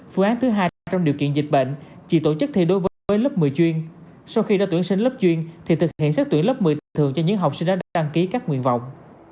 phương án hai trong điều kiện dịch bệnh chỉ tổ chức thi đối với lớp một mươi chuyên sau khi đã tuyển sinh lớp chuyên thì thực hiện xét tuyển lớp một mươi thường cho những học sinh đã đăng ký các nguyên vọng